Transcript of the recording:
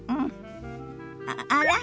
あら？